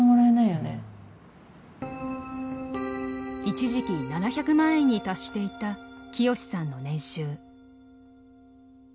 一時期７００万円に達していた清さんの年収。